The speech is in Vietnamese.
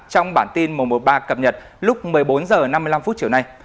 trong bản tin một trăm một mươi ba cập nhật lúc một mươi bốn h năm mươi năm chiều nay